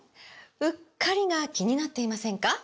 “うっかり”が気になっていませんか？